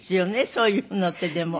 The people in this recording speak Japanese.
そういうのってでも。